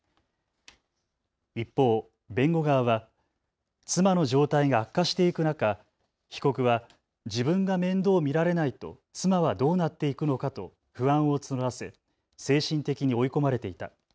一方、弁護側は妻の状態が悪化していく中、被告は自分が面倒を見られないと妻はどうなっていくのかと不安を募らせ精神的に追い込まれていた。